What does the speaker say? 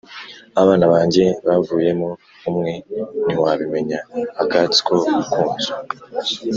Abana banjye bavuyemo umwe ntiwabimenya-Akatsi ko ku nzu.